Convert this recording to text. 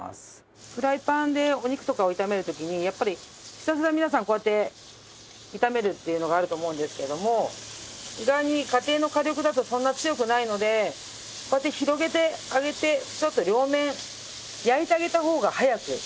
フライパンでお肉とかを炒める時にやっぱりひたすら皆さんこうやって炒めるっていうのがあると思うんですけれども意外に家庭の火力だとそんな強くないのでこうやって広げてあげてちょっと両面焼いてあげた方が早く炒まります。